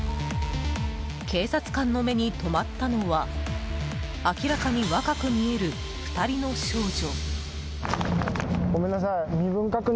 警察官の目に留まったのは明らかに若く見える２人の少女。